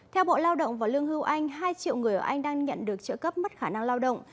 theo bộ lao động và lương hưu anh hai triệu người ở anh đang nhận được trợ cấp mất khả năng lao động